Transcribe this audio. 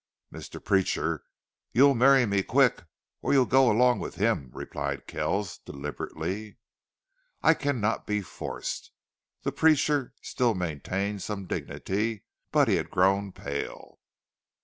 "Mr. Preacher, you'll marry me quick or you'll go along with him," replied Kells, deliberately. "I cannot be forced." The preacher still maintained some dignity, but he had grown pale.